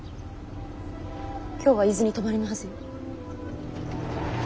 今日は伊豆に泊まりのはずよ。